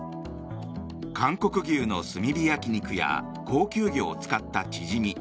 韓国牛の炭火焼き肉や高級魚を使ったチヂミ